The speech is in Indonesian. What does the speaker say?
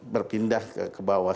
berpindah ke bawah